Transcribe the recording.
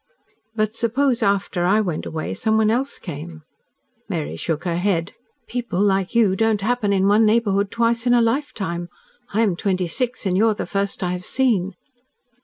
"But suppose after I went away someone else came?" Mary shook her head. "People like you don't HAPPEN in one neighbourhood twice in a lifetime. I am twenty six and you are the first I have seen."